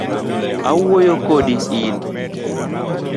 Awuoyo kodi in.